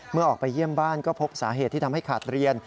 เมื่อออกไปเยี่ยมบ้านก็พบสาเหตุที่ทำให้ขาดเรียน